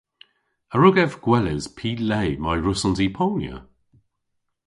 A wrug ev gweles py le may hwrussons i ponya?